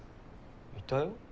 いたよ。